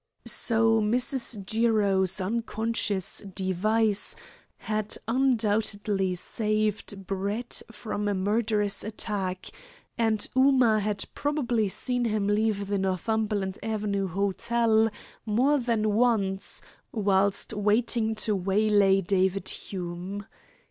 So Mrs. Jiro's unconscious device had undoubtedly saved Brett from a murderous attack, and Ooma had probably seen him leave the Northumberland Avenue Hotel more than once whilst waiting to waylay David Hume.